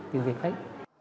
vì việc ấy